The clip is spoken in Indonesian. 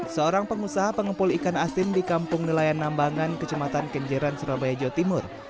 seorang pengusaha pengepul ikan asin di kampung nelayan nambangan kecematan kenjeran surabaya jawa timur